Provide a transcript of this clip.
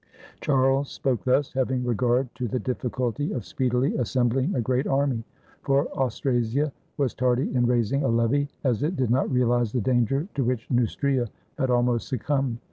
Charles spoke thus, having regard to the difficulty of speedily assembling a great army; for Austrasia was tardy in raising a levy, as it did not realize the danger to which Neustria had almost succumbed.